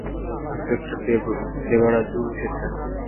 Inspector Devaraju এসেছে।